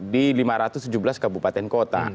di lima ratus tujuh belas kabupaten kota